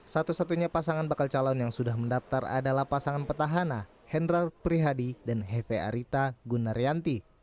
satu satunya pasangan bakal calon yang sudah mendaftar adalah pasangan petahana hendral prihadi dan hefe arita gunaryanti